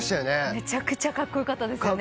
めちゃくちゃカッコよかったですよね。